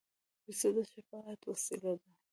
پسه د شفاعت وسیله ده.